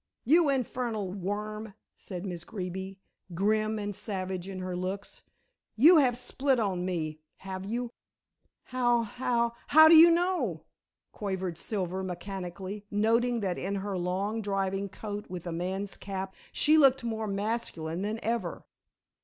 "You infernal worm!" said Miss Greeby, grim and savage in her looks, "you have split on me, have you?" "How how how do you know?" quavered Silver mechanically, noting that in her long driving coat with a man's cap she looked more masculine than ever.